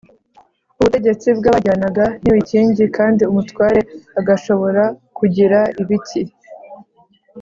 Ubutegetsi bwajyanaga n'ibikingi kandi umutware agashobora kugira ibiki